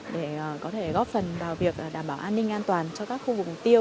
để có thể góp phần vào việc đảm bảo an ninh an toàn cho các khu vực mục tiêu